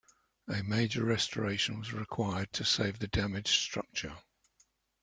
A major restoration was required to save the damaged structure.